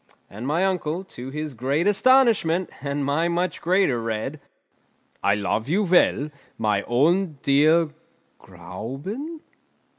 And my uncle, to his great astonishment, and my much greater, read: "I love you well, my own dear Gräuben!"